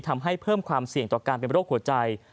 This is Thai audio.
ทำให้เพิ่มความเสี่ยงต่อการเป็นโรคหัวใจ